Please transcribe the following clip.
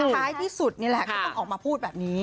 ท้ายที่สุดนี่แหละก็ต้องออกมาพูดแบบนี้